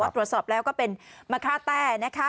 ตรวจสอบแล้วก็เป็นมะค่าแต้นะคะ